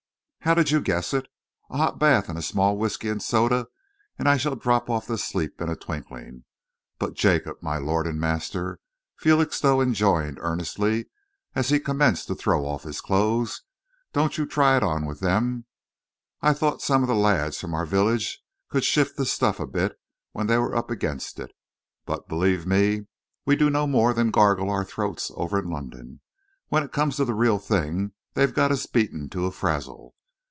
"How did you guess it! A hot bath and a small whisky and soda, and I shall drop off to sleep in a twinkling. But, Jacob, my lord and master," Felixstowe enjoined earnestly, as he commenced to throw off his clothes, "don't you try it on with them. I thought some of the lads from our own village could shift the stuff a bit when they were up against it, but, believe me, we do no more than gargle our throats over in London. When it comes to the real thing, they've got us beaten to a frazzle.